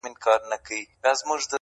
لا تر اوسه پر کږو لارو روان یې-